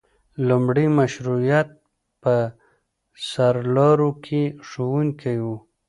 لومړي مشروطیت په سرلارو کې ښوونکي وو.